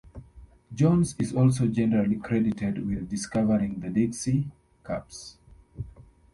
Jones is also generally credited with discovering the Dixie Cups.